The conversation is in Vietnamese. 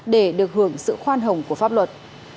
để được hưởng sự khoan hồng của pháp luật